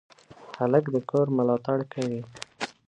هلک د کور ملاتړ کوي.